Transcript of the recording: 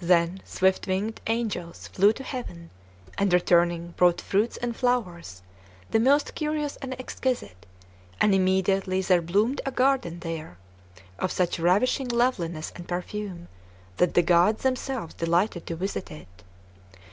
Then swift winged angels flew to heaven, and, returning, brought fruits and flowers the most curious and exquisite; and immediately there bloomed a garden there, of such ravishing loveliness and perfume that the gods themselves delighted to visit it.